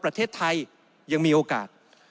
ประเทศไทยยังมีโอกาส